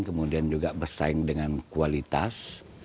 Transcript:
kemudian juga bersaing dengan kualitas